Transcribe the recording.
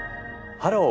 「ハロー！